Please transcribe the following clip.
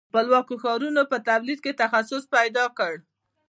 خپلواکو ښارونو په تولید کې تخصص پیدا کړ.